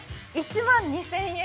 １万２０００円。